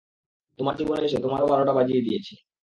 তোমার জীবনে এসে তোমারও বারো বাজিয়ে দিয়েছি।